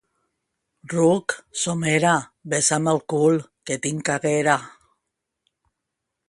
—Ruc! —Somera! —Besa'm el cul, que tinc caguera!